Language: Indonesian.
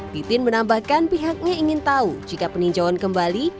titin menambahkan pihaknya ingin tahu jika peninjauan kembali